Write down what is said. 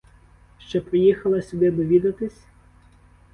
Щоб приїхала сюди довідатись?